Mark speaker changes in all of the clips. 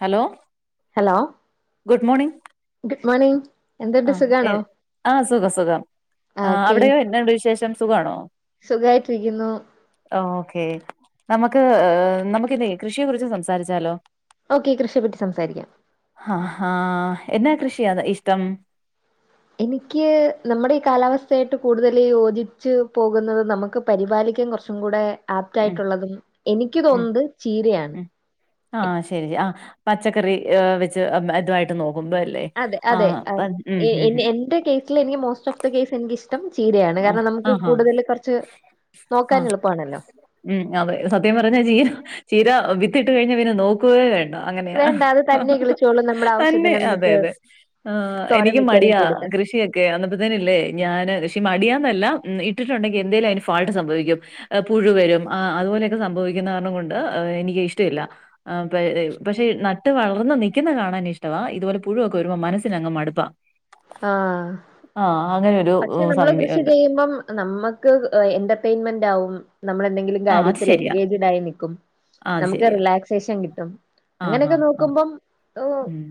Speaker 1: Hello
Speaker 2: hello
Speaker 1: good morning
Speaker 2: good morning എന്തുണ്ട്
Speaker 1: ആ ഏ
Speaker 2: സുഖാണോ
Speaker 1: ആഹ സുഖം സുഖം
Speaker 2: ആഹ്
Speaker 1: ആഹ
Speaker 2: ഓക്കെ
Speaker 1: അവിടെയോ. എന്നാണ്ട് വിശേഷം സുഖാവാണോ
Speaker 2: സുഖായിട്ടിരിക്കുന്നു
Speaker 1: ഓക്കേ നമുക്ക് നമുക്കിന്ന് കൃഷിയെ കുറിച്ച് സംസാരിച്ചാലോ
Speaker 2: ഓക്കെ കൃഷിയെപ്പെറ്റി സംസാരിക്കാം.
Speaker 1: ഹ, ഹാ എന്നാ കൃഷിയത ഇഷ്ടം?
Speaker 2: എനിക്ക് നമ്മുടെ ഈ കാലാവസ്ഥയായിട്ട് കൂടുതൽ യോജിച്ച് പോകുന്നത് നമുക്ക് പരിപാലിക്കാൻ കുറച്ചും കൂടെ
Speaker 1: ഉം
Speaker 2: ആപ്റ്റായിട്ടുള്ളതും എനിക്ക് തോന്നത് ചീരയാണ്.
Speaker 1: ആഹ് ശരി ആ പച്ചക്കറി വെച്ച് ഇതുആയിട്ട് നോക്കുമ്പോ അല്ലേ
Speaker 2: അതെ,
Speaker 1: ആ
Speaker 2: അതെ
Speaker 1: പ- ഉം ഉം
Speaker 2: എ,
Speaker 1: ഉം.
Speaker 2: എന്റെ കേസിൽ എനിക്ക് മോസ്റ്റ് ഓഫ് ദ കേസ് എനിക്ക് ഇഷ് ഇഷ്ടം ചീരയാണ്
Speaker 1: ആ
Speaker 2: കാരണം
Speaker 1: ആ
Speaker 2: നമുക്ക്
Speaker 1: ആ
Speaker 2: കൂടുതല് കൊറച്ച്
Speaker 1: ആ
Speaker 2: നോക്കാൻ എളുപ്പാണല്ലോ.
Speaker 1: ഉം അതെ സത്യം പറഞ്ഞ ചീര, ചീര വിത്തിട്ട് കഴിഞ്ഞ പിന്നെ നോ ക്കുവേ വേണ്ട അങ്ങനെയ
Speaker 2: വേണ്ട അത് തന്നെ കിളിച്ചോളും നമ്മുടെ
Speaker 1: തന്നെ
Speaker 2: ആവശ്യത്തിന്
Speaker 1: അതെ,
Speaker 2: നമുക്ക്
Speaker 1: അതെ. ആ
Speaker 2: തോരൻ
Speaker 1: എനിക്ക് മടിയാ
Speaker 2: വെക്കാനൊക്കെ എടുക്കാം
Speaker 1: കൃഷിയൊക്കെ. അന്നപ്പ തന്നല്ലേ ഞാന് പക്ഷെ മടിയന്നല്ല ഇട്ടിട്ടുണ്ടെങ്കി എന്തേലും അതിന് ഫാൾട്ട് സംഭവിക്കും. പുഴു വരും ആ അതുപോലെയൊക്കെ സംഭവിക്കുന്ന കാരണം കൊണ്ട് എനിക്ക് ഇഷ്ടഇല്ല. ആ പരെ പക്ഷെ നട്ട് വളർന്ന് നിക്കുന്ന കാണാൻ ഇഷ്ടവാ ഇതുപോലെ പുഴുവൊക്കെ വരുമ്പോ മനസ്സിനങ്ങ് മടുപ്പാ. ആഹ് അങ്ങനൊരു
Speaker 2: മ്മള്
Speaker 1: സംഭി
Speaker 2: കൃഷി ചെയ്യുമ്പോ നമ്മക്ക് എന്റർടൈൻമെന്റാവും നമ്മളെന്തെങ്കിലും
Speaker 1: ആഹ് അത്
Speaker 2: കാര്യത്തിൽ
Speaker 1: ശരിയാ
Speaker 2: എൻഗേജ്ഡായിനിക്കും.
Speaker 1: ആഹ് അത്
Speaker 2: നമുക്ക്
Speaker 1: ശരിയാ
Speaker 2: റിലാക്സേഷൻ കിട്ടും.
Speaker 1: ആഹ്
Speaker 2: അങ്ങനൊക്കെ
Speaker 1: ആഹ് ആഹ്
Speaker 2: നോക്കുമ്പം ഏഹ്
Speaker 1: ഉം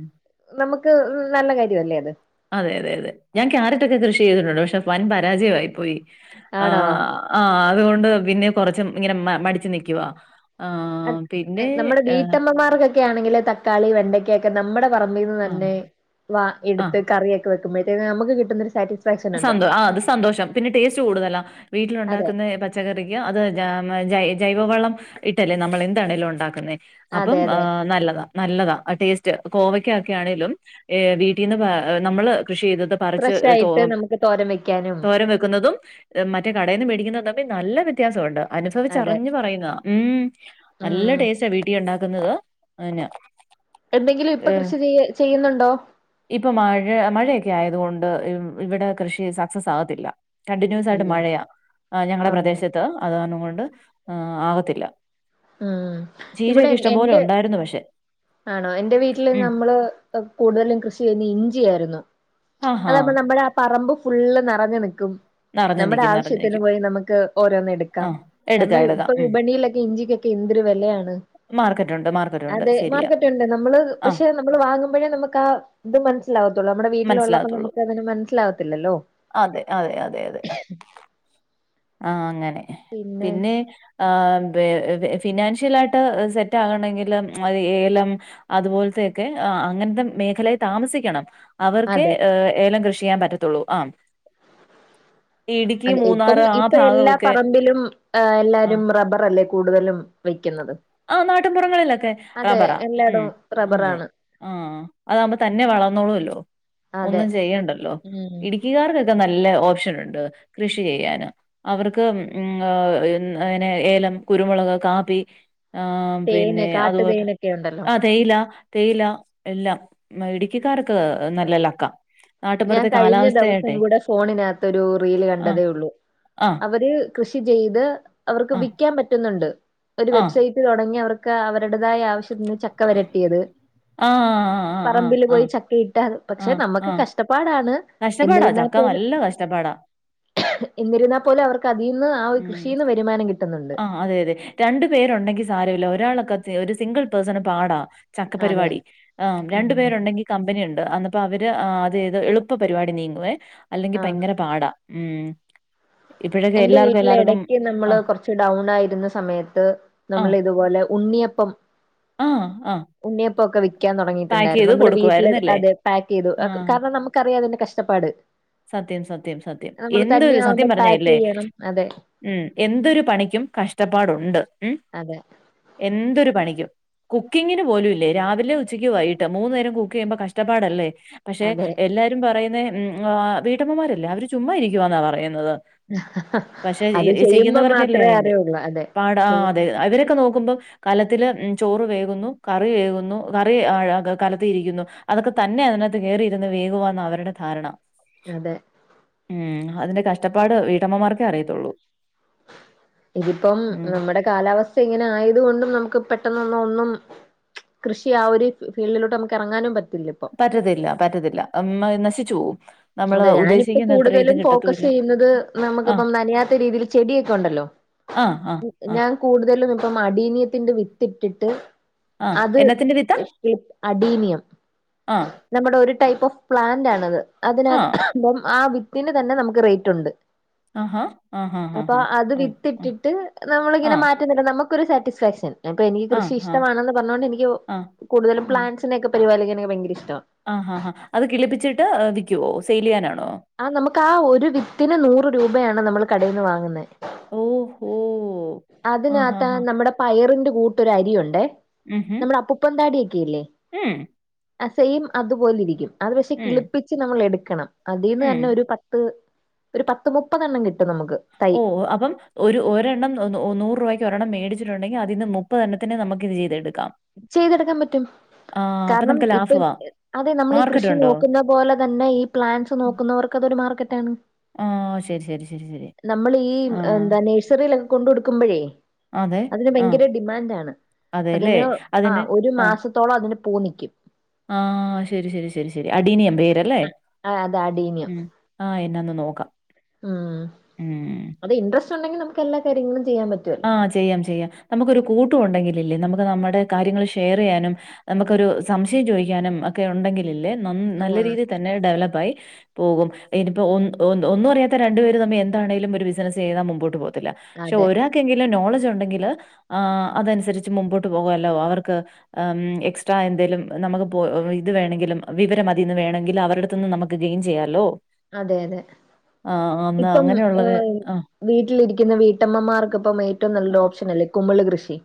Speaker 2: നമുക്ക് നല്ല കാര്യ അല്ലേ അത്.
Speaker 1: അതെ, അതെ, അതെ ഞാൻ ക്യാരറ്റൊക്കെ കൃഷി ചെയ്തിട്ടുണ്ട് പക്ഷെ വൻ പരാജയവായി പോയി. ആ.
Speaker 2: ആണോ
Speaker 1: ആ അതുകൊണ്ട് പിന്നെ കൊറച്ചും ഇങ്ങനെ മ, മടിച്ച് നിക്കുവാ.
Speaker 2: അ
Speaker 1: ആഹ് പിന്നെ
Speaker 2: നമ്മുടെ
Speaker 1: ഏഹ്
Speaker 2: വീട്ടമ്മമാർക്കൊ ക്കെ ആണെങ്കില് തക്കാളി വെണ്ടക്കൊക്കെ നമ്മടെ പറമ്പിന്ന്
Speaker 1: ആഹ്
Speaker 2: തന്നെ വ
Speaker 1: ആഹ്
Speaker 2: എടുത്ത് കറിവെ ക്ക്‌ വെക്കുമ്പഴത്തേന് നമുക്ക് കിട്ടുന്നൊരു സാറ്റിസ്
Speaker 1: സന്തോ ആ അത് സന്തോഷം പിന്നെ ടേസ്റ്റ് കൂടുതലാ
Speaker 2: അതെ
Speaker 1: വീട്ടിലുണ്ടാക്കുന്ന പച്ചക്കറിക്ക്‌ അത് ജാ, ജൈ, ജൈവവളം ഇട്ടല്ലേ നമ്മൾ എന്താണെലും ഒണ്ടാക്കുന്നേ.
Speaker 2: അതെ
Speaker 1: അപ്പം ആ
Speaker 2: അതെ
Speaker 1: നല്ലതാ. നല്ലതാ ആ ടേസ്റ്റ് കോവയ്ക്കക്കിയ ആണെലും വീട്ടിന്ന് പ നമ്മള് കൃഷി ചെയ്ത
Speaker 2: ഫ്രഷ് ആയിട്ട് നമുക്ക് തോരം വെക്കാനും.
Speaker 1: തോരൻ വെക്കുന്നതും മറ്റെ കടെന്ന് മേടിക്കുന്നും തമ്മി നല്ല വ്യത്യാസൊണ്ട്.
Speaker 2: അതെ
Speaker 1: അനുഭവിച്ചറിഞ്ഞ് പറയുന്ന. ഉം നല്ല
Speaker 2: ഉം
Speaker 1: ടേസ്റ്റ വീട്ടിഒണ്ടാക്കുന്നത്. അന
Speaker 2: എന്തെങ്കിലും ഇപ്പ കൃഷി ചെയ ചെയ്യുന്നുണ്ടോ?
Speaker 1: ഇപ്പൊ മഴ മഴയൊക്കെ ആയതുകൊണ്ട് ഇവിടെ കൃഷി സക്സസ് ആകത്തില്ല. കണ്ടിന്യൂസ് ആയിട്ട്
Speaker 2: ഇല്ല
Speaker 1: മഴയ ഞങ്ങടെ
Speaker 2: ആഹ്
Speaker 1: പ്രദേശത്ത്. അതൊന്നും കൊണ്ട് ആ ആകത്തില്ല.
Speaker 2: ഉം ഇവിടെ
Speaker 1: ചീരയൊക്കെ
Speaker 2: എൻ
Speaker 1: ഇഷ്ടംപോലെ
Speaker 2: എന്റെ
Speaker 1: ഒണ്ടായിരുന്നു. പക്ഷെ.
Speaker 2: ആണോ എന്റെ വീട്ടില്
Speaker 1: ഉം
Speaker 2: നമ്മള് കൂടുതലും കൃഷി ചെയ്ന്ന ഇഞ്ചിയായിരുന്നു.
Speaker 1: ആഹാ
Speaker 2: അതപ്പ നമ്മട പറമ്പ് ഫുള്ള് നെറഞ്ഞ് നിക്കും.
Speaker 1: നെറഞ്ഞു
Speaker 2: നമ്മുടെ
Speaker 1: നിക്കും നെറഞ്ഞു
Speaker 2: ആവശ്യത്തിന്
Speaker 1: നിക്കും.
Speaker 2: പോയി നമുക്ക് ഓരോന്ന് എടുക്കാം.
Speaker 1: ആഹ്
Speaker 2: കാരണം
Speaker 1: എടുക്കാം
Speaker 2: ഇപ്പൊ
Speaker 1: എടുക്കാം. ഉം
Speaker 2: വിപണിയിലൊക്കെ ഇഞ്ചിക്ക് എന്തൊരു വെലയാണ്.
Speaker 1: മാർക്കറ്റ് ഒണ്ട് മാർക്കറ്റ്
Speaker 2: അതെ മാർക്കറ്റ് ഉണ്ട്. നമ്മള് പക്ഷെ നമ്മള് വാങ്ങുമ്പോഴേ നമുക്ക് ആ ഇത് മനസ്സിലാവത്തുള്ളൂ. നമ്മുടെ വീട്ടിലുള്ളപ്പോ
Speaker 1: മനസ്സിലാകത്തുള്ളൂ.
Speaker 2: നമുക്ക് അതിന് മനസ്സിലാകത്തില്ലല്ലോ.
Speaker 1: അതെ, അതെ, അതെ, അതെ, ആഹ് അങ്ങനെ പിന്നെ ആ ഫിനാൻഷ്യലായിട്ട് സെറ്റ് ആകണെങ്കിലും അ ഏലം. അതുപോലത്തെക്കെ ആ അങ്ങനത്തെ മേഖലേ താമസിക്കണം. അവർക്കെ
Speaker 2: അതെ
Speaker 1: ഏലം കൃഷി ചെയ്യാൻ പറ്റത്തുള്ളൂ. ആ
Speaker 2: അതെ ഇപ്പം,
Speaker 1: മൂന്നാറ് ആ
Speaker 2: ഇപ്പ എല്ലാ
Speaker 1: ഭാഗമൊക്കെ
Speaker 2: പറമ്പിലും
Speaker 1: ആഹ്
Speaker 2: എല്ലാരും റബ്ബർ അല്ലേ കൂടുതലും വെക്കുന്നത്.
Speaker 1: ആ നാട്ടിൻപുറങ്ങളിലൊക്കെ
Speaker 2: അതെ
Speaker 1: റബ്ബറാ ഉം
Speaker 2: എല്ലായിടവും
Speaker 1: അതെ.
Speaker 2: റബ്ബറാണ്
Speaker 1: ആഹ് അതാകുമ്പോ തന്നെ വളന്നോളൂല്ലോ.
Speaker 2: അതെ
Speaker 1: ഒന്നും ചെയ്യണ്ടല്ലോ.
Speaker 2: ഉം
Speaker 1: ഇടുക്കിക്കാർ ക്കെ നല്ല ഓപ്ഷൻ ഉണ്ട് കൃഷി ചെയ്യാന് അവർക്ക് ഉം അനെ ഏലം കുരുമുളക് കാപ്പി ആഹ്
Speaker 2: തേന്
Speaker 1: പിന്നെ
Speaker 2: കാട്ടു
Speaker 1: അതുപോലെ
Speaker 2: തേനൊക്കെ ഉണ്ടല്ലോ
Speaker 1: ആഹ് തേയില തേയില എല്ലാം ഇടുക്കിക്കാർക്ക് നല്ല ലക്ക
Speaker 2: ഞാൻ കഴിഞ്ഞ ദിവസം കൂടെ ഫോണിനകത്തൊരു റീല്
Speaker 1: ആഹ്
Speaker 2: കണ്ടതേ ഉള്ളൂ
Speaker 1: ആഹ്
Speaker 2: അവര് കൃഷി ചെയ്ത് അവർക്ക്
Speaker 1: ആഹ്
Speaker 2: വിൽക്കാൻ പറ്റുന്നുണ്ട് ഒരു
Speaker 1: ആഹ്
Speaker 2: വെബ്സൈറ്റ് തുടങ്ങി അവർക്ക് അവരുടതായ ആവശ്യ ചക്ക വരട്ടിയത്
Speaker 1: ആഹ് ആഹ്
Speaker 2: പറമ്പിൽ
Speaker 1: ആഹ്
Speaker 2: പോയി
Speaker 1: ആഹ്
Speaker 2: ചക്കയിട്ട പക്ഷെ
Speaker 1: ആഹ് ആഹ്
Speaker 2: നമുക്ക്
Speaker 1: ആഹ്
Speaker 2: കഷ കഷ്ടപ്പാടാണ്
Speaker 1: കഷ്ടപ്പാടാ ചക്ക നല്ല കഷ്ടപ്പാടാ
Speaker 2: എന്നിരുന്ന പോലും അവർക്ക് അതിന്ന് ആ ഒരു
Speaker 1: ഉം
Speaker 2: കൃഷിന്ന് വരുമാനം കിട്ടുന്നുണ്ട്
Speaker 1: ആ. അതെ അതെ രണ്ടു പേരുണ്ടെങ്കി സാരല്ല ഒരാളൊക്കെ ഒരു സിംഗിൾ പേഴ്സൺ പാടാ ചക്ക
Speaker 2: അതെ
Speaker 1: പരിപാടി ആഹ് രണ്ടു
Speaker 2: ഉം
Speaker 1: പേരുണ്ടെങ്കിൽ കമ്പനി ഉണ്ട് അന്നപ്പോ അവര് അതത് എളുപ്പ പരിപാടി നീങ്ങുവേ
Speaker 2: ആ
Speaker 1: അല്ലെങ്കിൽ ഭയങ്കര പാടാ ഉം ഇപ്പോഴൊക്കെ എല്ലാർ
Speaker 2: ഇടക്ക് നമ്മള് കൊറച്ച് ഡൗൺ ആയിരുന്ന സമയത്ത് നമ്മൾ ഇതുപോലെ ഉണ്ണിയപ്പം
Speaker 1: ആഹ് ആഹ്
Speaker 2: ഉണ്ണിയപ്പൊക്കെ വി ക്കാൻ തുടങ്ങിയിട്ടുണ്ടായിരുന്നു നമ്മള് വീട്ടില്
Speaker 1: കൊടുക്കുവായിരുന്നല്ലേ?
Speaker 2: അതെ പാക്ക് ചെയ്തു
Speaker 1: ആ.
Speaker 2: കാരണം നമുക്കറിയാം അതിന്റെ കഷ്ടപ്പാട്
Speaker 1: സത്യം സത്യം സത്യം
Speaker 2: നമ്മള്
Speaker 1: എന്തരു സത്യം
Speaker 2: തന്നെയാവുമ്പോ പാക്ക്
Speaker 1: പറഞ്ഞല്ലേ
Speaker 2: ചെയ്യണം. അതെ
Speaker 1: ഉം എന്തൊരു പണിക്കും കഷ്ടപ്പാടുണ്ട് ഉം
Speaker 2: അതെ
Speaker 1: എന്തൊരു പണിക്കും കുക്കിങ്ങിന് പോലുംല്ലേ രാവിലെ ഉച്ചക്ക് വൈകിട്ട് മൂന്ന നേരം കുക്ക് ചെയ്യുമ്പോ കഷ്ടപ്പാടല്ലേ പക്ഷെ
Speaker 2: അതെ.
Speaker 1: എല്ലാര പറയുന്ന വീട്ടമ്മമാരല്ലേ അവര് ചുമ്മാ ഇരിക്കുവന്നാ പറയുന്നത് പക്ഷെ
Speaker 2: അത് ചെയ്യുമ്പോ
Speaker 1: ചെയ്യുന്നവർക്കല്ലേ
Speaker 2: മാത്രേ
Speaker 1: അയ്ന്റെ
Speaker 2: അറിയുള്ളൂ. അതെ
Speaker 1: പാട ആഹ്
Speaker 2: ചെയ്
Speaker 1: അതെ അവരൊക്കെ നോക്കുമ്പോ കലത്തിൽ ചോറ് വേകുന്നു കറി വേകുന്നു കറി കലത്തി ഇരിക്കുന്നു അതൊക്കെ തന്നെ അതിനകത്ത് കയറിയിരുന്ന് വേഗുന്ന് അവരുടെ ധാരണ
Speaker 2: അതെ
Speaker 1: ഉം അതിന്റെ കഷ്ടപ്പാട് വീട്ടമ്മമാർക്കേ അറിയത്തുള്ളൂ
Speaker 2: ഇതിപ്പം
Speaker 1: ഉം
Speaker 2: നമ്മടെ കാലാവസ്ഥ ഇങ്ങനെ ആയത കൊണ്ടും നമുക്ക് പെട്ടെന്ന് ഒന്നും കൃഷി ആ ഒരു ഫീൽഡിലോട്ട് നമുക്ക് ഇറങ്ങാനും പറ്റില്ല ഇപ്പൊ.
Speaker 1: പറ്റത്തില്ല പറ്റത്തില്ല അമ്മാ നശിച്ചു പോവും നമ്മള്
Speaker 2: അതെ ഞാനിപ്പോ
Speaker 1: ഉദ്ദേശിക്കുന്ന അത്ര ഇത്
Speaker 2: കൂടുതലും ഫോക്കസ്
Speaker 1: കിട്ടത്തുല്ല.
Speaker 2: ചെയ്യുന്നത്
Speaker 1: ആഹ്
Speaker 2: നമുക്കിപ്പം നനയാത്ത രീതിയിൽ ചെടിയൊക്കെ ഉണ്ടല്ലോ
Speaker 1: ആഹ് ആഹ് ആഹ്
Speaker 2: ഞാൻ കൂടുതലും ഇപ്പം മടീന്യത്തിന്റെ വിത്തിട്ടിട്ട്
Speaker 1: ആഹ്
Speaker 2: അത്
Speaker 1: എന്നത്തിന്റെ വിത്താ
Speaker 2: എസ് പി അഡീനിയം
Speaker 1: ആഹ്
Speaker 2: നമ്മുടെ ഒരു ടൈപ്പ് ഓഫ് പ്ലാന്റ് ആണ അത്
Speaker 1: ആഹ്
Speaker 2: അതിനകം ആ വിത്തിന് തന്നെ നമുക്ക് റേറ്റ് ഉണ്ട്
Speaker 1: ആഹാ ആഹാ ഹാ
Speaker 2: അപ്പൊ
Speaker 1: ഹാ
Speaker 2: അത്
Speaker 1: ആഹ്
Speaker 2: വിത്തിട്ടിട്ട് നമ്മളിങ്ങനെ
Speaker 1: ആഹ്
Speaker 2: മാറ്റ നമുക്കൊരു സാറ്റിസ്ഫാക്ഷൻ ഇപ്പൊ എനിക്ക്
Speaker 1: ആഹ്
Speaker 2: കൃഷി
Speaker 1: ആഹ്
Speaker 2: ഇഷ്ടമാണന്ന് പറഞ്ഞൊണ്ട് എനിക്ക്
Speaker 1: ആഹ് ആഹ്
Speaker 2: കൂടുതലും പ്ലാൻ യോക്കെ പരിപാലിക്കാനൊ ഭയങ്ക ഇഷ്ട
Speaker 1: ആഹ് ആഹ് അത് കിളിപ്പിച്ചിട്ട് വിൽക്കുവോ സെയിൽ ചെയ്യാനാണോ
Speaker 2: ആഹ് നമുക്ക് ആ ഒരു വിത്തിന് നൂറ് രൂപയാണ് നമ്മൾ കടയിൽ നിന്ന് വാങ്ങുന്നെ
Speaker 1: ഓഹ് ഓഹ്
Speaker 2: അതിനകത്ത നമ്മുടെ പയറിന്റെ കൂട്ടൊരു അരിയുണ്ടെ
Speaker 1: ഉം ഹും
Speaker 2: നമ്മുടെ അപ്പുപ്പതാടിയോക്കെല്ലേ
Speaker 1: ഉം
Speaker 2: ആ സെം അതുപോലെ ഇരിക്കും അത് പക്ഷെ
Speaker 1: ഉം
Speaker 2: കിളിപ്പിച്ച് നമ്മൾ എടുക്കണം അതിന്ന്
Speaker 1: ഉം
Speaker 2: തന്നെ ഒരു പ ത്ത് ഒരു പത്ത് മുപ്പതെണ്ണം കിട്ടും നമുക്ക്. തൈ
Speaker 1: ഓഹ് അപ്പം. ഒരു ഒരെണ്ണം ന്ന് ന്നൂ ന്നൂറ് രൂപയ്ക്ക് ഒരെണ്ണം മേടിച്ചിട്ടുണ്ടെങ്കി അതിന്ന് മുപ്പതെണ്ണത്തിന്ന് നമക്കിത് ചെയ്തെടുക്കാം.
Speaker 2: ചെയ്തെടുക്കാ പറ്റും
Speaker 1: ആഹ് അപ്പൊ
Speaker 2: കാരണം
Speaker 1: നമുക്ക്
Speaker 2: ഇപ്പം
Speaker 1: ലാഭവാ
Speaker 2: ഇ അതെ നമ്മളീ
Speaker 1: മാർക്കറ്റ്
Speaker 2: കൃഷി
Speaker 1: ഉണ്ടോ
Speaker 2: നോക്കുന്ന. പോല തന്നെ ഈ പ്ലാൻ്റ്സ് നോക്കുന്നവർക്കതൊരു മാർക്കറ്റാണ്.
Speaker 1: ആഹ് ശരി ശരി ശരി ശരി
Speaker 2: നമ്മളീ
Speaker 1: ആഹ്
Speaker 2: എന്താ നഴ്സറിയിലൊക്കെ കൊണ്ടു കൊടുക്കുമ്പഴേ.
Speaker 1: അതെ
Speaker 2: അതിന്
Speaker 1: ആഹ്
Speaker 2: ഭയങ്കര ഡിമാൻഡാണ്
Speaker 1: അതെല്ലേ
Speaker 2: അതിന്. ആഹ്
Speaker 1: അതിന്
Speaker 2: ഒരു
Speaker 1: ആഹ്
Speaker 2: മാസത്തോളം അതിന് പൂ നിക്ക്യും.
Speaker 1: ആഹ് ശരി ശരി ശരി ശരി അടീനിയം പേരല്ലേ
Speaker 2: ആ അത് അടീനിയം
Speaker 1: ഉം. ആഹ് എന്ന ന്ന് നോക്ക.
Speaker 2: ഉം അത് ഇൻട്രസ്റ്റുണ്ടെങ്കിൽ നമുക്കെല്ലാ കാര്യങ്ങളും ചെയ്യാൻ പറ്റു
Speaker 1: ആഹ് ചെയ്യാം ചെയ്യാം നമുക്കരു കൂട്ടും ഉണ്ടെങ്കിലല്ലേ നമുക്ക് നമ്മടെ കാര്യങ്ങൾ ഷെയറെയ്യാനും. നമുക്കൊരു സംശയം ചോയിക്ക്യാനും ഒക്കെ ഉണ്ടെങ്കിലല്ലേ നന്ന്
Speaker 2: ആ
Speaker 1: നല്ല രീതിയിൽ തന്നെ ഡെവലപ്പായി. പോകും ഇതിനിപ്പോ ഒ ഒ ഒന്നുഅറിയാത്ത രണ്ടുപേര് തമ്മി എന്താണേലും ഒരു ബിസിനസ് ചെയ്താ മുമ്പോട്ട് പോക ത്ത്ല ശെ
Speaker 2: അതെ
Speaker 1: ഒരാക്കെങ്കിലും നോളജ് ഉണ്ടെങ്കില്. ആഹ് അതൻസരിച്ച് മുമ്പോട്ട് പോകുവല്ലോ അവർക്ക്. എം എക്സ്ട്രാ എന്തെലും നമക്ക് പോ ഇത് വേണങ്കിലും വിവരം അതിന്ന് വേണെങ്കിൽ അവരട്ത്ത്ന്ന് നമ ക്ക്കയും ചെയ്യാല്ലോ
Speaker 2: അതെ അതെ
Speaker 1: ആ അന്ന്
Speaker 2: ഇപ്പം
Speaker 1: അങ്ങനെയുള്ളത്
Speaker 2: ഏഹ്
Speaker 1: ആ.
Speaker 2: വീട്ടിലിരിക്കുന്ന വീട്ടമ്മമാർക്കപ്പം ഏറ്റവും നല്ലൊരു
Speaker 1: ആഹ്
Speaker 2: ഓപ്ഷൻ അല്ലേ കുമള് കൃഷി.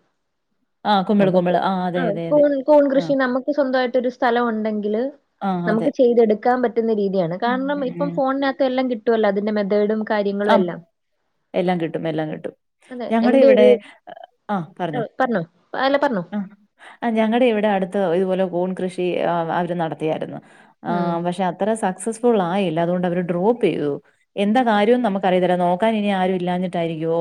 Speaker 1: ആഹ് കുമ്പിള്
Speaker 2: നമുക്ക്
Speaker 1: കുമ്പിള് അതെ
Speaker 2: ആഹ്
Speaker 1: അതെ അതെ
Speaker 2: കൂൺ
Speaker 1: ആഹ്
Speaker 2: കൂൺകൃഷി നമുക്ക് സ്വന്തമായിട്ടൊരു സ്ഥലം ഉണ്ടെങ്കില്.
Speaker 1: ആഹ് അതെ
Speaker 2: നമുക്ക് ചെയ്തെടുക്കാ പറ്റുന്ന രീതിയാണ്
Speaker 1: ഉം
Speaker 2: കാരണം ഇപ്പം
Speaker 1: ഉം
Speaker 2: ഫോണിനകത്ത എല്ലം കിട്ടുവല്ലോ അതിന്റെ മെതേഡും ക. കാര്യങ്ങളു
Speaker 1: ആം
Speaker 2: എല്ലാം.
Speaker 1: എല്ലാം കിട്ടും എല്ലാം കിട്ടും
Speaker 2: അതെ എന്റെ ഒരു
Speaker 1: ഞങ്ങളിവടെ ആ പർഞ്ഞു.
Speaker 2: പറഞ്ഞോ? അല്ല പർഞ്ഞു.
Speaker 1: ആ ഞങ്ങളിവിടെ അടുത്ത് ഇതുപോലെ പൂൺ കൃഷി അ അവര് നടത്തിയാര്ന്നു ആ
Speaker 2: മ്മ്.
Speaker 1: പക്ഷെ. ത്ര സക്സസ്ഫുൾ ആയില്ല അതുകൊണ്ട് അവര് ഡ്രോപ്പെയ്തു എന്താ കാ രു നമുക്കറിയതില്ല നോക്കാൻ ഇനി ആരു ഇല്ലാഞ്ഞിട്ടായിരിക്കോ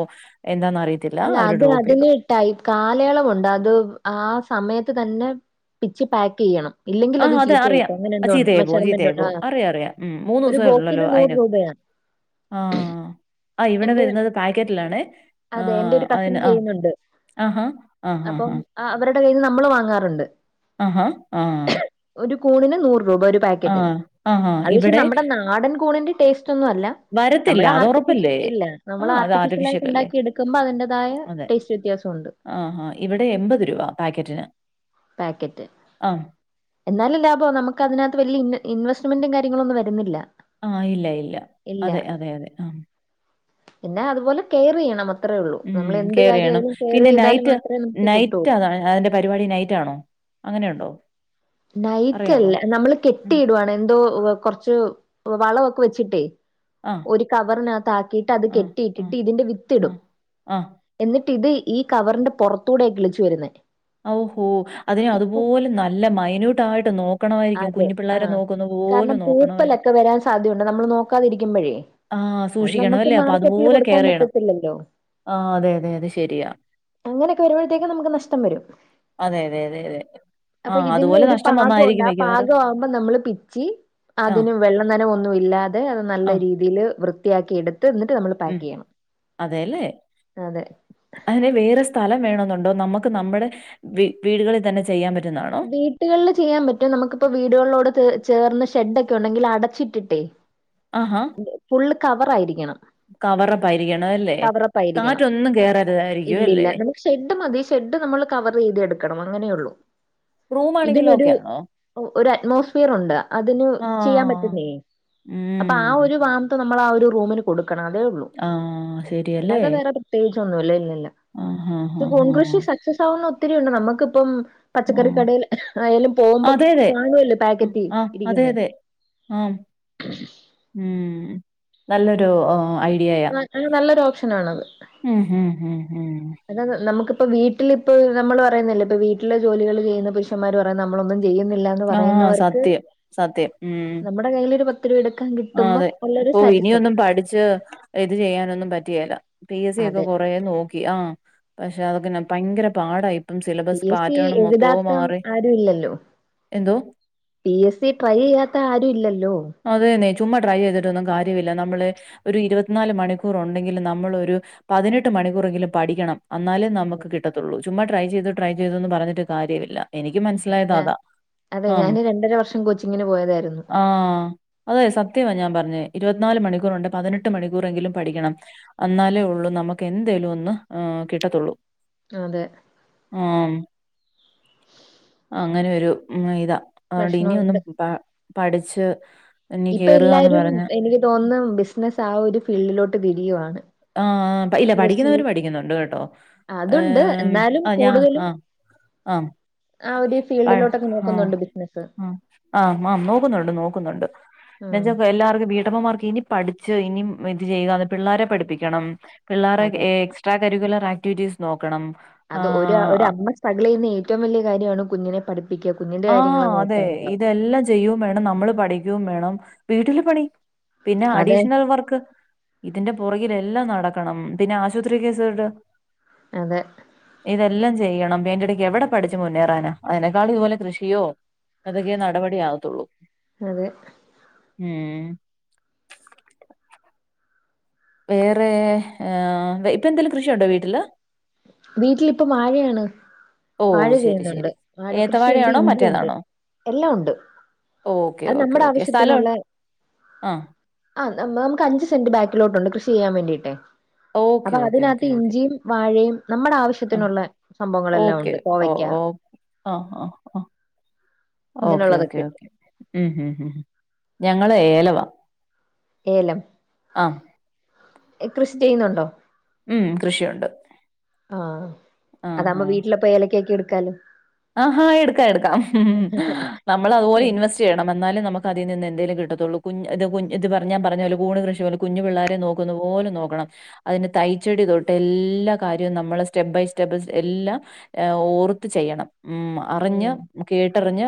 Speaker 1: എന്താന്നറി
Speaker 2: അല്ല അത് അത് ല് ടൈ് കാലയളവുണ്ട് അത് ആ സമയത്ത് തന്നെ പിച്ച് പാക്കെയ്യണം.
Speaker 1: ആഹ് അതെ അറിയാം ചീതയായ് പോ ചീത്തയ
Speaker 2: ഉണ്ട്.
Speaker 1: പോ
Speaker 2: ആ
Speaker 1: അറിയാ അറിയാ ഉം
Speaker 2: ഒരു
Speaker 1: മൂന്നുസെ ഉള്ളല്ലോ
Speaker 2: ബോക്സിന്
Speaker 1: അയ്ന്.
Speaker 2: രൂപയാ.
Speaker 1: ആഹ്. അ ഇവിടെ
Speaker 2: എന്റെ
Speaker 1: വരുന്നത് പാക്കറ്റിലാണ് ആ
Speaker 2: അതെ എന്റെ ഒരു കസിൻ
Speaker 1: അതിന് ആ.
Speaker 2: ചെയ്യുന്നുണ്ട്.
Speaker 1: ആഹാ ആഹ് ആഹ് ആഹ്.
Speaker 2: ആഹ് അവരുടെ കയ്യിന്ന് നമ്മള് വാങ്ങാറ്ണ്ട്.
Speaker 1: അഹാ ആഹ്.
Speaker 2: ഒരു കൂണിന് നൂറ് രൂപ ഒരു പാക്കറ്റിന്
Speaker 1: ആഹ് ആഹാ
Speaker 2: അത് പക്ഷെ
Speaker 1: ഇവിടെ
Speaker 2: നമ്മുടെ നാടൻ കൂണിന്റെ ടേസ്റ്റ്. റ്റൊന്നുഅല്ല.
Speaker 1: വരത്തില്ല അത് ഉറപ്പല്ലേ.
Speaker 2: ഇല്ല നമ്മളാർട്ടിഫിഷ്യൽ ആയിട്ട് ഉണ്ടാക്കി എടുക്കുമ്പ അതിന്റതായ
Speaker 1: അതെ
Speaker 2: ടേസ്റ്റ് വ്യത്യാസൊണ്ട്.
Speaker 1: ആഹാ ഇവിടെ എമ്പത് രൂപ പാക്കറ്റിന്.
Speaker 2: പാക്കറ്റ്.
Speaker 1: ആഹ്
Speaker 2: എന്നാലും ലാഭോ നമുക്ക് അതിനകത്ത് വല്ല്യ ഇന്ന ഇൻവെസ്റ്റ്മെന്റും കാര്യങ്ങളും ഒന്നും വരുന്നില്ല.
Speaker 1: ആഹ് ഇല്ല ഇല്ല അതെ അതെ അതെ ആഹ്.
Speaker 2: പിന്ന അതുപോലെ കെയറെയ്യണം
Speaker 1: ഉം കെയറെയണം പിന്നെ
Speaker 2: ചെയ്താൽ
Speaker 1: നൈറ്റ്
Speaker 2: മാത്രമേ നമുക്ക് കിട്ടുള്ളൂ
Speaker 1: നൈറ്റതാണ് അതിന്റെ. പരുപാടി നൈറ്റാണോ അങ്ങനെ ഉണ്ടോ.
Speaker 2: നൈറ്റല്ല നമ്മള്
Speaker 1: ഉം
Speaker 2: കെട്ടിയിടുവാണ് എന്തോ കൊർച്ചു വളവൊക്കെ വെച്ചിട്ടേ.
Speaker 1: ആഹ്
Speaker 2: ഒരു കവറിനകത്ത് ആക്കിട്ട് അത്
Speaker 1: ആഹ്
Speaker 2: കെട്ടിയിട്ടിട്ട്
Speaker 1: ആഹ്
Speaker 2: ഇതിന്റെ വിത്തിടും.
Speaker 1: ആഹ് ആഹ്
Speaker 2: എന്നിട്ട് ഇത് ഈ കവറിന്റെ പൊർത്തൂടെക്ക കിളിച്ചു വരുന്നേ.
Speaker 1: ഓഹോ അതിനെ
Speaker 2: ഇക്കും
Speaker 1: അതുപോലെ നല്ല മൈന്യൂട്ടായിട്ട് നോ നോക്കണമായിരിക്കും
Speaker 2: അതെ
Speaker 1: കുഞ്ഞു പിള്ളേരെെ നോക്കുന്ന പോല നോക്കണമായിരിക്കും
Speaker 2: സാധ്യുണ്ട് നമ്മ നോക്കാതിരിക്കുമ്പോഴേ
Speaker 1: ആഹ
Speaker 2: അത്
Speaker 1: സൂക്ഷിക്കണം
Speaker 2: നമുക്ക്
Speaker 1: അല്ലേ അപ്പൊ
Speaker 2: മാർക്കറ്റിൽ
Speaker 1: അതുപോലെ
Speaker 2: കൊടുക്കാൻ
Speaker 1: കെയർ ചെയ്യണം
Speaker 2: പറ്റത്തില്ലല്ലോ
Speaker 1: ആഹ് അതെ അതെ അതെ ശരിയാ
Speaker 2: അങ്ങനെയൊക്കെ വരുമ്പോഴത്തേക്കും നമുക്ക് നഷ്ടം വരും
Speaker 1: അതെ അതെ അതെ അതെ ആ,
Speaker 2: അപ്പൊ ഇതിന്റെ
Speaker 1: അതുപോലെ
Speaker 2: ഒരു
Speaker 1: നഷ്ടം
Speaker 2: പാകുണ്ട്
Speaker 1: വന്നായിരിക്കും
Speaker 2: ആഹ്
Speaker 1: മിക്കവാറും.
Speaker 2: പാകമാവുമ്പോം നമ്മള് പിച്ചി
Speaker 1: ആ,
Speaker 2: അതിനും വെള്ളനനം ഒന്നും ഇല്ലാതെ അത് നല്ല
Speaker 1: ആ.
Speaker 2: രീതിയിൽ വൃത്തിയാക്കി എടുത്ത് എന്നിട്ട് നമ്മൾ ചെയ്യണം
Speaker 1: അതേല്ലേ?
Speaker 2: അതെ
Speaker 1: അതിന് വേറെ സ്ഥലം വേണോന്നുണ്ടോ നമുക്ക് നമ്മുടെ വി വീടുകളിൽ തന്നെ ചെയ്യാൻ പറ്റുന്നതാണ്
Speaker 2: വീട്ടുകളിൽ ചെയ്യാൻ പറ്റും നമുക്കിപ്പ വീടുകളിലോട് ചേർന്ന് ഷെഡ് ഒക്കെ ഉണ്ടെങ്കിൽ അടച്ചിട്ടിട്ടേ ഫുൾ കവർ ആയിരിക്കണം
Speaker 1: കവറ് പരിക്കണം അല്ലേ കാറ്റൊന്നും കയറരുതായിരിക്കും
Speaker 2: ഇല്ലില്ല
Speaker 1: അല്ലേ
Speaker 2: നമുക്ക് ഷെഡ് മതി ഷെഡ് നമ്മൾ കവറെത് എടുക്കണം അങ്ങനെ ഒള്ളു
Speaker 1: റൂമാണെങ്കിലും
Speaker 2: ഇതിനൊരു
Speaker 1: ഓക്കെയാണോ?
Speaker 2: ഒരു അറ്റ്മോസ്ഫിയർ ഉണ്ട് അതിന്
Speaker 1: ആ.
Speaker 2: ചെയ്യാൻ പറ്റുന്നേ അപ്പ ആഹ് ഒരു വാംത്ത് നമ്മൾ ആഹ് ഒരു റൂമിന് കൊടുക്കണം അതേ ഒള്ളൂ
Speaker 1: ആഹ്
Speaker 2: അല്ലാതെ വേറെ പ്രത്യേകിച്ചൊന്നുംല്ല ഇല്ലില്ല
Speaker 1: ആഹ് ആഹ്
Speaker 2: പക്ഷെ
Speaker 1: ആഹ് ആഹ്
Speaker 2: കോൺകൃഷി സക്സസ് ആവുന്ന ഒത്തിരി ഒണ്ട് നമൊക്കിപ്പം പച്ചക്കറി
Speaker 1: ആഹ്
Speaker 2: കടേൽ ആയാലും പോവുമ്പം
Speaker 1: അതെ അതെ
Speaker 2: കാണുവല്ലോ പാക്കറ്റി
Speaker 1: ആഹ് അതെ
Speaker 2: ഇരിക്കുന്നെ
Speaker 1: അതെ ആഹ് ഉം നല്ലൊരു ഐഡിയ
Speaker 2: അഹ് നല്ലൊരു ഓപ്ഷനാണത്
Speaker 1: ഉം ഉം ഉം ഉം
Speaker 2: എന്നാ നമുക്കിപ്പ വീട്ടിലിപ്പ നമ്മള് പറയുന്നില്ലേ വീട്ടിലെ ജോലികൾ ചെയ്യുന്ന പുരുഷന്മാർ പറയുന്ന നമ്മളൊന്നും ചെയ്യുന്നില്ലാന്ന്
Speaker 1: ആഹ് സത്യം സത്യം ഉം
Speaker 2: ടെ കൈയിലൊരു പത്ത് [unintelligible]
Speaker 1: ആഹ് അതെ
Speaker 2: ഉള്ളൊരു
Speaker 1: ഇപ്പൊ
Speaker 2: സാറ്റിസ്ഫാക്ഷൻ
Speaker 1: ഇനിയൊന്നും പഠിച്ച് ഇത് ചെയ്യാനൊന്നും പറ്റിയല്ല പി എസ് സി ഒക്കെ
Speaker 2: അതെ
Speaker 1: കൊ റെ നോക്കി ആഹ് പക്ഷെ അതൊക്കെ ഭയങ്കര പാടായി
Speaker 2: പി എ സി എഴുതാത്ത ആരു ഇല്ലല്ലോ
Speaker 1: എന്തോ
Speaker 2: പി എസ് സി ട്രൈ ചെയ്യാത്ത ആരു ഇല്ലല്ലോ
Speaker 1: അതെന്നെ ചുമ്മാ ട്രൈ ചെയ്തിട്ടൊന്നും കാര്യവില്ല നമ്മള് ഒരു ഇരുപത്തിനാല് മണിക്കൂർ ഉണ്ടെങ്കിലും നമ്മൾ ഒരു പതിനെട്ട് മണിക്കൂറെങ്കിലും പഠിക്കണം അന്നാലേ നമുക്ക് കിട്ടത്തോള്ളൂ ചുമ്മാ ട്രൈ ചെയ്ത് ട്രൈ ചെയ്തു എന്ന് പറഞ്ഞിട്ട് കാര്യവില്ല എനിക്ക് മനസ്സിലായത്
Speaker 2: ഞ
Speaker 1: അതാ
Speaker 2: അതെ
Speaker 1: ആം
Speaker 2: ഞാന് രണ്ടര വർഷം കോച്ചിങ്ങിന് പോയതായിരുന്നു
Speaker 1: ആഹ് അതെ സത്യവാ ഞാൻ പറഞ്ഞേ ഇരുപത്തിനാല് മണിക്കൂറുണ്ടെ പതിനെട്ട് മണിക്കൂറെങ്കിലും പഠിക്കണം അന്നാലേ ഒള്ളൂ നമുക്ക് എന്തേലും ഒന്ന് കിട്ടത്തോള്ളൂ
Speaker 2: അതെ
Speaker 1: ആഹ് അങ്ങനെ ഒരു ഉം ഇതാ അതോണ്ട് ഇനിയൊന്നും
Speaker 2: പ്രശ്നമുണ്ട്
Speaker 1: പ പഠിച്ച് ഇനി
Speaker 2: ഇപ്പൊ
Speaker 1: കേറുകാന്ന്
Speaker 2: എല്ലാരും
Speaker 1: പറഞ്ഞ്
Speaker 2: എനിക്ക് തോന്ന് ബിസിനസ് ആഹ് ഒരു ഫീൽഡിലോട്ട് തിരിയുവാണ്
Speaker 1: ആഹ് ഇല്ല
Speaker 2: കൃഷി
Speaker 1: പഠിക്കുന്നവര് പഠിക്കുന്നൊണ്ട് കേട്ടോ
Speaker 2: അതുണ്ട്
Speaker 1: ഏഹ്
Speaker 2: എന്നാലും
Speaker 1: ആഹ് ഞാ
Speaker 2: കൂടുതലും
Speaker 1: ആഹ് ആഹ്
Speaker 2: ആ ഒരു
Speaker 1: ആഹ്
Speaker 2: ഫീൽഡിലോട്ടൊക്കെ നോക്കുന്നുണ്ട് ബിസിനസ്സ്
Speaker 1: ആഹ് ആഹ് ആഹ് നോക്കുന്നൊണ്ട് നോക്കുന്നൊണ്ട് എന്ന
Speaker 2: ഉം
Speaker 1: വെച്ച എല്ലാർക്കും വീട്ടമ്മമാർക്ക് ഇനി പഠിച്ച് ഇനി ഇത് ചെയ്യ പിള്ളാരെ പഠിപ്പിക്കണം പിള്ളാരെ
Speaker 2: അതെ
Speaker 1: എക്സ് ട്രാ കരിക്കുലർ ആക്ടിവിറ്റീസ് നോക്കണം ആ
Speaker 2: അത് ഒരു
Speaker 1: അ-
Speaker 2: അമ്മ സ്ട്രഗിൽ ചെയ്യുന്ന ഏറ്റവും വലിയ കാര്യമാണ് കുഞ്ഞിനെ പഠിപ്പിക്ക കുഞ്ഞിന്റെ
Speaker 1: ആ
Speaker 2: കാര്യങ്ങള് നോക്കാ
Speaker 1: അതെ
Speaker 2: എന്നുള്ളത്
Speaker 1: ഇതെല്ലാം ചെയ്യും വേണം നമ്മള് പഠിക്കോം വേണം വീട്ടില് പണി പിന്നെ
Speaker 2: അതെ
Speaker 1: അഡീഷണൽ വർക്ക് ഇതിന്റെ പുറകിലെല്ലാം നടക്കണം പിന്നെ ആശുപത്രി കേസ് കെട്ട്
Speaker 2: അതെ
Speaker 1: ഇതെല്ലാം ചെയ്യണം അയിന്റെടക്ക് എവിടെ പഠിച്ച് മുന്നേറാനാ അതിനേക്കാളും ഇതുപോലെ കൃഷിയോ അതൊക്കെ നടപടി ആകത്തോള്ളൂ
Speaker 2: അതെ
Speaker 1: ഉമ് വേറെ ഇപ്പൊ എന്തേലും കൃഷിയുണ്ടോ വീട്ടില്
Speaker 2: വീട്ടിലിപ്പ വാഴയാണ്
Speaker 1: ഓ
Speaker 2: വാഴ
Speaker 1: ശരി
Speaker 2: ചെയ്യുന്നുണ്ട്
Speaker 1: ശരി
Speaker 2: വാഴ കൃഷിയുണ്ട്
Speaker 1: ഏത്തവാഴയാണോ
Speaker 2: ഇഞ്ചിയുണ്ട്
Speaker 1: മറ്റേതാണോ
Speaker 2: എല്ലാം ഉണ്ട്
Speaker 1: ഓക്കെ
Speaker 2: അത്
Speaker 1: ഓക്കെ
Speaker 2: നമ്മുടെ
Speaker 1: ഓക്കെ സ്ഥലം
Speaker 2: ആവശ്യത്തിനുള്ള
Speaker 1: ആഹ്
Speaker 2: ആഹ് നമുക്ക് അഞ്ച് സെന്റ് ബാക്കിലോട്ടുണ്ട് കൃഷി ചെയ്യാൻ വേണ്ടിട്ടെ.
Speaker 1: ഓക്കെ
Speaker 2: അപ്പൊ
Speaker 1: ഓക്കെ
Speaker 2: അതിനാത്ത്
Speaker 1: ഓക്കെ ഓക്കെ
Speaker 2: ഇഞ്ചിയു വാഴയും നമ്മടെ
Speaker 1: ആഹ്
Speaker 2: ആവശ്യത്തിനുള്ളെ സംഭവങ്ങളെല്ലാം
Speaker 1: ഓക്കെ
Speaker 2: ഉണ്ട്
Speaker 1: ഓ
Speaker 2: കോവയ്ക്കാ
Speaker 1: ഓ ആഹ് ആഹ് ആഹ് ഓക്കെ ഓക്കേ
Speaker 2: ഇങ്ങനെയുള്ളതൊക്കെ ഇട്ട്
Speaker 1: ഓക്കെ ഉം ഹ് ഹ് ഞങ്ങളെ ഏലവാ
Speaker 2: ഏലം
Speaker 1: ആഹ്
Speaker 2: ഏ കൃഷി ചെയ്യുന്നുണ്ടോ
Speaker 1: ഉം കൃഷിയൊണ്ട്
Speaker 2: ആഹ് അതാവുമ്പോ വീട്ടിലപ്പോ ഏലക്കായൊക്കെ എടുക്കാലോ
Speaker 1: ആഹാ എടുക്കാം എടുക്കാം ഉം നമ്മളതുപോലെ
Speaker 2: ഉം
Speaker 1: ഇൻവെസ്റ്റ് ചെയ്യണം എന്നാലെ നമുക്ക് അതീനിന്നെന്തേലും കിട്ടത്തൊള്ളൂ കുഞ്ഞ് ഇത് കുഞ്ഞ് പറഞ്ഞാ പറഞ്ഞപോലാ കൂണു കൃഷിപോലെ കുഞ്ഞു പിള്ളരെ നോക്കുന്ന പോലെ നോക്കണം അയിന് തൈച്ചെടി തൊട്ട് എല്ലാ കാര്യവും നമ്മള് സ്റ്റെപ്പ് ബൈ സ്റ്റെപ്പ് എല്ലാം ഏ ഓർത്ത് ചെയ്യണം ഉം
Speaker 2: ഉം.
Speaker 1: അറിഞ്ഞ് കേട്ടറിഞ്ഞ്